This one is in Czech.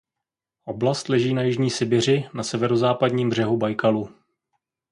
Oblast leží na jižní Sibiři na severozápadním břehu Bajkalu.